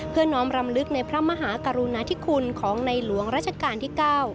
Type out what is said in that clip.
น้อมรำลึกในพระมหากรุณาธิคุณของในหลวงราชการที่๙